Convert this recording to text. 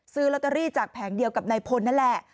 ซื้อลอตเตอรี่จากแผงเดียวกับนายพลนั่นแหละ